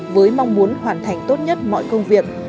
với mong muốn hoàn thành tốt nhất mọi công việc